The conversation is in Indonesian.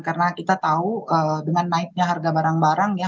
karena kita tahu dengan naiknya harga barang barang ya